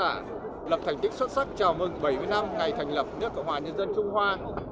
đã lập thành tích xuất sắc chào mừng bảy mươi năm ngày thành lập nước cộng hòa nhân dân trung hoa